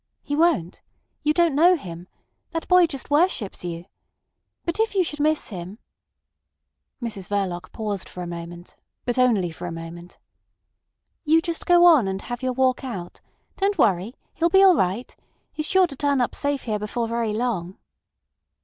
"He won't. You don't know him. That boy just worships you. But if you should miss him—" Mrs Verloc paused for a moment, but only for a moment. "You just go on, and have your walk out. Don't worry. He'll be all right. He's sure to turn up safe here before very long."